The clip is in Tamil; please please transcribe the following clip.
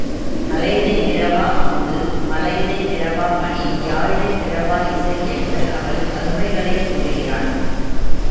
அலையிடைப் பிறவா அமுது, மலையிடைப் பிறவா மணி, யாழிடைப் பிறவா இசை என்று அவள் அருமைகளைக் கூறுகிறான்.